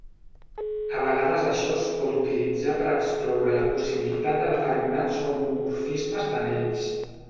A vegades això es pot utilitzar per excloure la possibilitat de determinats homomorfismes d'anells.